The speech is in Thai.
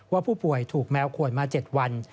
ว่าผู้ป่วยถูกแมวขวดมา๗วัน